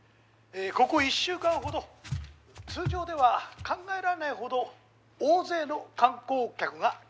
ここ１週間ほど通常では考えられないほど大勢の観光客が来ておりまして」